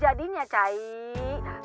sok atuh diceritakan sama saya